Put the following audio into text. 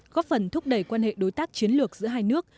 góp phần thúc đẩy quan hệ đối tác chiến lược giữa hai nước